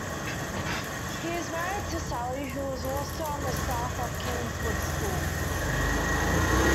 He is married to Sally, who was also on the staff of Kingswood School.